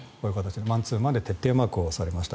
マンツーマンで徹底マークをされました。